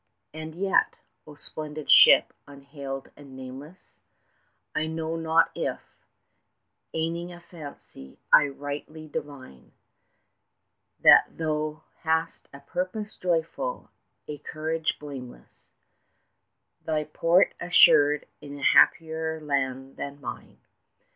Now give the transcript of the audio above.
And yet, O splendid ship, unhailed and nameless, I know not if, aiming a fancy, I rightly divine That thou hast a purpose joyful, a courage blameless, Thy port assured in a happier land than mine.